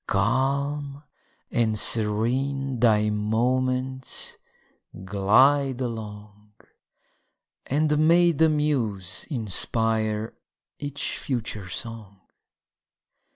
Calm and serene thy moments glide along, And may the muse inspire each future song!